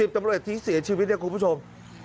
๑๐ตำรวจที่เสียชีวิตคุณผู้ชม